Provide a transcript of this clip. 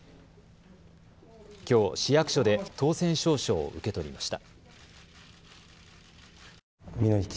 きょう、市役所で当選証書を受け取りました。